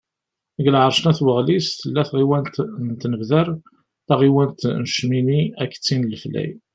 Deg lεerc n At Waɣlis, tella tɣiwant n Tinebdar, taɣiwant n Cmini, akked tin n Leflay.